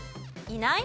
いない。